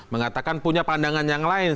mengatakan punya pandangan yang lain